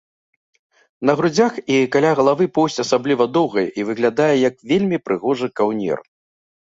На грудзях і каля галавы поўсць асабліва доўгая і выглядае як вельмі прыгожы каўнер.